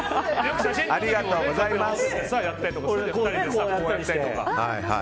ありがとうございます。